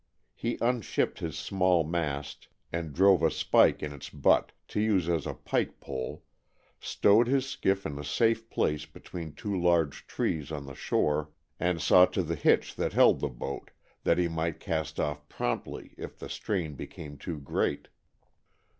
He unshipped his small mast and drove a spike in its butt, to use as a pike pole, stowed his skiff in a safe place between two large trees on the shore, and saw to the hitch that held the boat, that he might cast off promptly if the strain became too great.